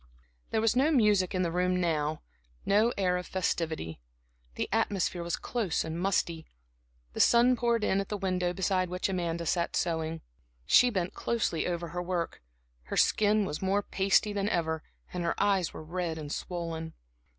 There was no music in the room now, no air of festivity. The atmosphere was close and musty, the sun poured in at the window beside which Amanda sat sewing. She bent closely over her work, her skin was more pasty than ever and her eyes were red and swollen.